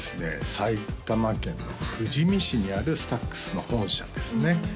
埼玉県の富士見市にあるＳＴＡＸの本社ですね